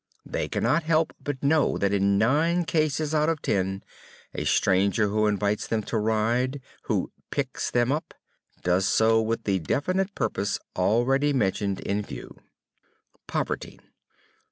They cannot help but know that in nine cases out of ten, a stranger who invites them to a ride, who "picks" them up, does so with the definite purpose already mentioned in view. _Poverty.